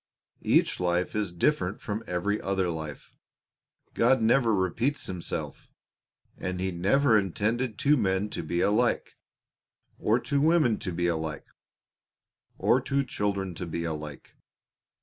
Each life is different from every other life. God never repeats Himself, and He never intended two men to be alike, or two women to be alike, or two children to be alike.